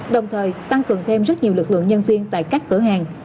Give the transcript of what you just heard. đồng thời tăng cường thêm rất nhiều lực lượng nhân viên tại các cửa hàng